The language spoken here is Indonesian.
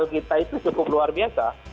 budaya politik patrimonial kita itu cukup luar biasa